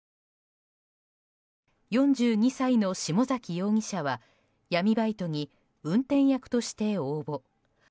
４２歳の下崎容疑者は闇バイトに運転役として応募。